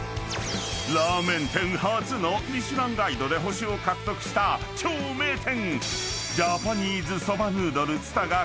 ［ラーメン店初のミシュランガイドで星を獲得した超名店］